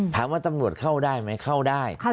ถามว่าตำรวจเข้าได้ไหมเข้าได้